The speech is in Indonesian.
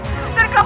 dari mulai sekarang